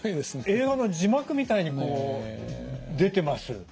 映画の字幕みたいにこう出てます。